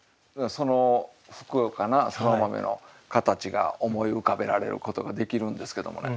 そのふくよかなそら豆の形が思い浮かべられることができるんですけどもね。